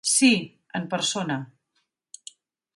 Sí, en persona.